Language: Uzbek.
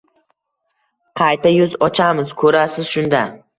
Qayta yuz ochamiz, ko’rasiz shunda